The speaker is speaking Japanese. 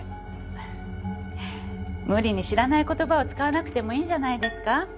フフ無理に知らない言葉を使わなくてもいいんじゃないですか。